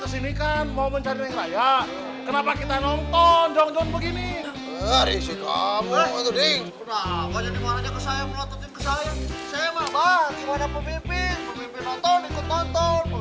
pemimpin bapak duit kita kan juga banyak duit